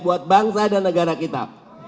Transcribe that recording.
buat bangsa dan negara kita